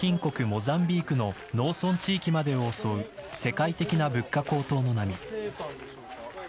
モザンビークの農村地域までを襲う世界的な物価高騰の波。